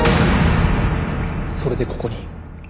それでここに。